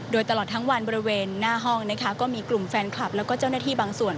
โดยตลอดทั้งวันบริเวณหน้าห้องนะคะก็มีกลุ่มแฟนคลับแล้วก็เจ้าหน้าที่บางส่วน